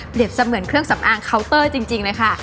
เสมือนเครื่องสำอางเคาน์เตอร์จริงเลยค่ะ